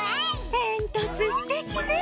えんとつすてきね。